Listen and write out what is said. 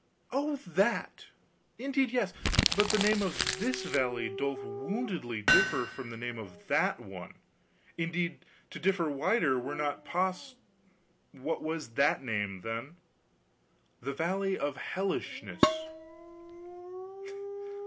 "Oh, that? Indeed yes. But the name of this valley doth woundily differ from the name of that one; indeed to differ wider were not pos " "What was that name, then?" "The Valley of Hellishness."